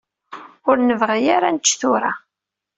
Ur nebɣi ara ad nečč tura.